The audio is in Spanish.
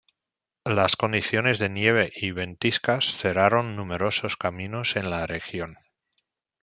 Las condiciones de nieve y ventiscas cerraron numerosos caminos en la región.